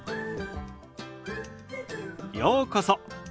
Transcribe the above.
ようこそ。